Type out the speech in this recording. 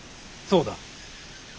そうだ。